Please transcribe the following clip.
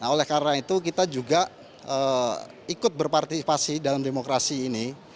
oleh karena itu kita juga ikut berpartisipasi dalam demokrasi ini